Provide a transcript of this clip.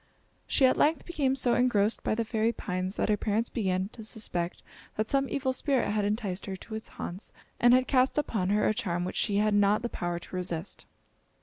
She at length became so engrossed by the fairy pines that her parents began to suspect that some evil spirit had enticed her to its haunts and had cast upon her a charm which she had not the power to resist.